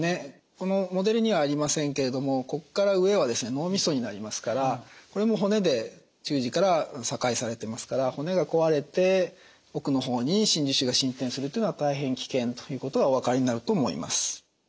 ここから上は脳みそになりますからこれも骨で中耳から境されてますから骨が壊れて奥の方に真珠腫が伸展するというのは大変危険ということがお分かりになると思います。